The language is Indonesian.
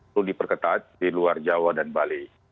perlu diperketat di luar jawa dan bali